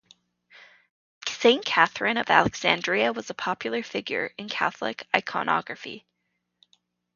Saint Catherine of Alexandria was a popular figure in Catholic iconography.